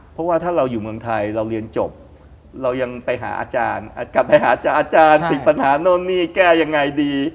เพราะว่าถ้าเราอยู่เมืองไทยเราเรียนจบเรายังไปหาอาจารย์กลับไปหาอาจารย์ติดปัญหานู่นนี่แก้ยังไงดี